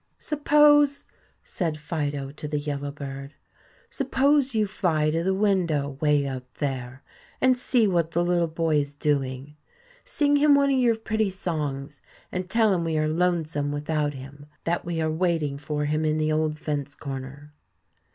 "Suppose," said Fido to the yellow bird, "suppose you fly to the window 'way up there and see what the little boy is doing. Sing him one of your pretty songs, and tell him we are lonesome without him; that we are waiting for him in the old fence corner."